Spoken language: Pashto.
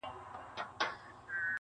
په ورځ کي سل ځلي ځارېدله.